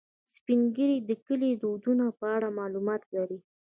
سپین ږیری د کلي د دودونو په اړه معلومات لري